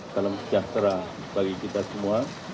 salam sejahtera bagi kita semua